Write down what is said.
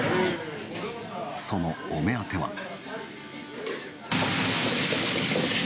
そのお目当ては。